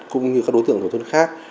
cũng như các đối tượng tổn thương khác